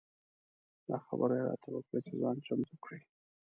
دا خبره یې راته وکړه چې ځان چمتو کړه.